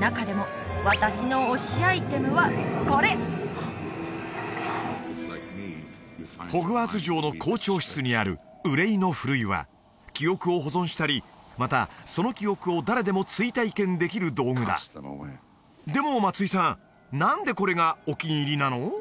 中でも私の推しアイテムはこれホグワーツ城の校長室にある憂いの篩は記憶を保存したりまたその記憶を誰でも追体験できる道具だでも松井さん何でこれがお気に入りなの？